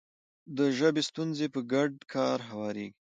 د ژبې ستونزې په ګډ کار هواریږي.